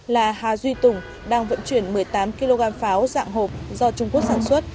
là hà duy tùng đang vận chuyển một mươi tám kg pháo dạng hộp do trung quốc sản xuất